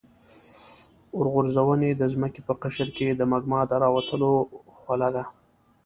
اورغورځونې د ځمکې په قشر کې د مګما د راوتلو خوله ده.